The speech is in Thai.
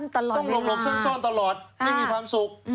ต้องลมซ่อนตลอดไม่มีความสุข